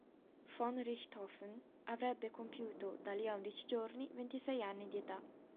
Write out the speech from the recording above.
Von Richthofen avrebbe compiuto, da lì a undici giorni, ventisei anni di età.